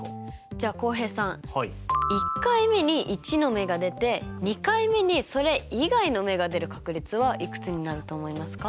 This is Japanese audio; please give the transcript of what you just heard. じゃあ浩平さん１回目に１の目が出て２回目にそれ以外の目が出る確率はいくつになると思いますか？